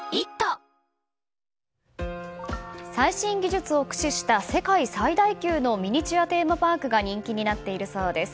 最新技術を駆使した世界最大級のミニチュア・テーマパークが人気になっているそうです。